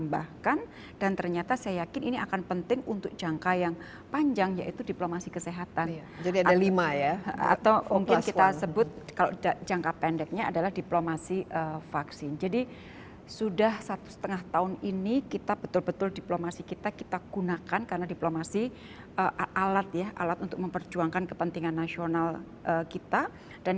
jadi pertama tentunya tadi saya sampaikan faktor kecepatan